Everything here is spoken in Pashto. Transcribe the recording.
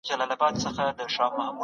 کله چې زه بازار ته ځم نو د توکو بیې ګورم.